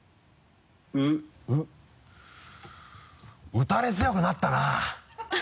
「打たれ強くなったな！」